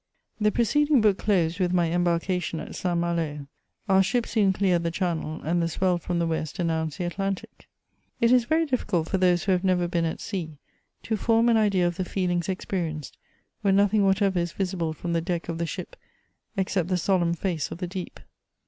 The preceding book closed with my embarkation at St. Malo. Our ship soon cleared the channel, and the swell firom the west announced the Atlantic. It is vexT difficult for those who have never been at sea to form an idea of the feelings experienced when nothing whatever is visible from the deck of the ship except the solemn face of the deep.